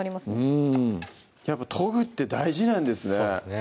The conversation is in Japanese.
うんやっぱ研ぐって大事なんですね